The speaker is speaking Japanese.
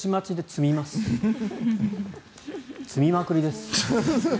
詰みまくりです。